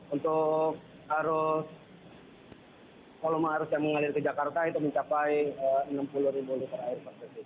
untuk kolom arus yang mengalir ke jakarta itu mencapai enam puluh ribu liter air